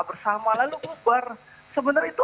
bersama lalu bubar sebenarnya itu